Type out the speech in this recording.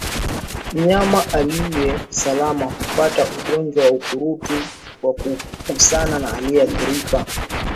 Mnyama aliye salama hupata ugonjwa wa ukurutu kwa kugusana na aliyeathirika